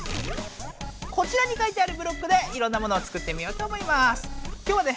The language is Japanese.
こちらにかいてあるブロックでいろんなものをつくってみようと思います。